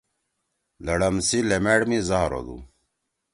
لَڑم سی لیمأڑ می زاہر ہودُو۔